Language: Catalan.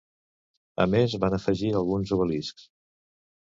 A més van afegir alguns obeliscs.